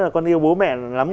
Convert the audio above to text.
con yêu bố mẹ lắm